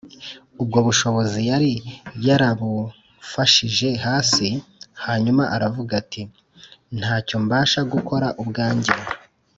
” ubwo bushobozi yari yarabufashije hasi, hanyuma aravuga ati: “nta cyo mbasha gukora ubwanjye